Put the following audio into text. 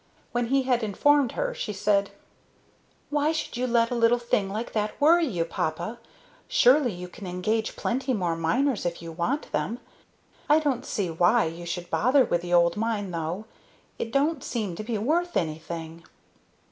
When he had informed her, she said: "Why should you let a little thing like that worry you, papa? Surely you can engage plenty more miners if you want them. I don't see why you should bother with the old mine, though. It don't seem to be worth anything."